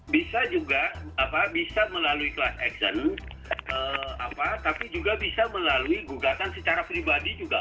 bisa juga bisa melalui class action tapi juga bisa melalui gugatan secara pribadi juga